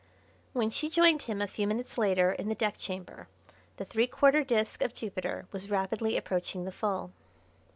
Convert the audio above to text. When she joined him a few minutes later in the deck chamber the three quarter disc of Jupiter was rapidly approaching the full.